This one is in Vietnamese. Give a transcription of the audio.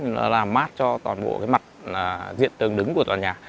nó làm mát cho toàn bộ mặt diện tường đứng của toàn nhà